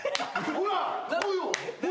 ほら。